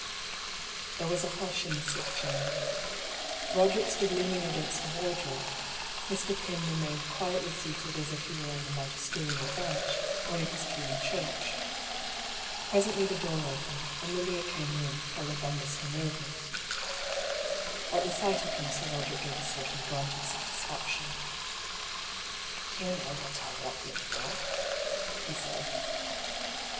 There was a hush in the sick chamber. Boderick stood leaning against a wardrobe ; Mr. Pym remained quietly seated as if he were on the magisterial bench, or in his pew in church. Presently the door opened, and Lilia came in, followed by Mr. Mervyn. At the sight of him Sir Boderick gave a sort of grunt of satisfaction. 100 I>R PAULL'S THEORY. " You know what I want you for," he said.